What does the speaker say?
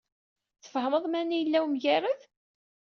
Tfehmed mani yella wemgerrad?